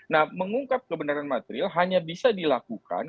nah mengungkap kebenaran material hanya bisa dilakukan